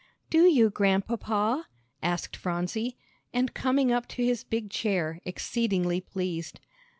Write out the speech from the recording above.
"Do you, Grandpapa?" asked Phronsie, and coming up to his big chair, exceedingly pleased.